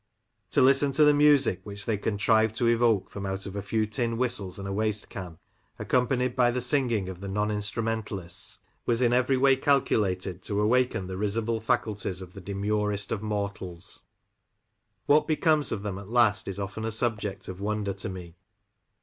To listen to the music which they contrived to evoke from out of a few tin whistles and a wasteK:an, accompanied by the singing of the non instrumentalists, was in every way calculated to awaken the risible faculties of the demurest of mortals. What becomes of them at last is often a subject of wonder to me.